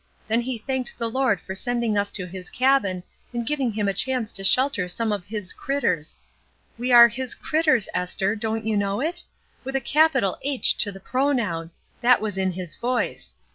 Then he thanked the Lord for sending us to his cabin, and giving him a chance to shelter some of His critters. We are 'His critters/ Esther, do you know it? with a capital * H ' to the pronoun ; that was in his voice.